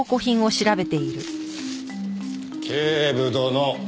警部殿。